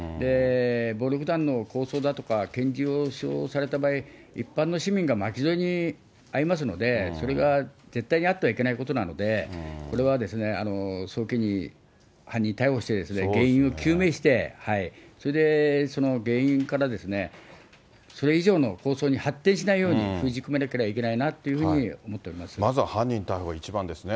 暴力団の抗争だとか拳銃を使用された場合、一般の市民が巻き添えに遭いますので、それが絶対にあってはいけないことなので、これは早急に犯人逮捕してですね、原因を究明して、それでその原因から、それ以上の抗争に発展しないように、封じ込めなければいけないなまずは犯人逮捕が一番ですね。